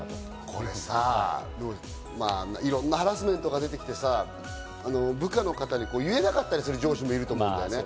これさ、いろんなハラスメントが出てきてさ、部下の方に言えなかったりする上司もいると思うんだよね。